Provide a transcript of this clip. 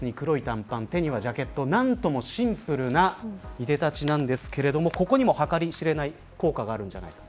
何ともシンプルないでたちなんですけれどもここにも計り知れない効果があるんじゃないか。